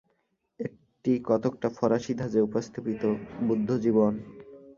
এটি কতকটা ফরাসী ধাঁজে উপস্থাপিত বুদ্ধজীবন।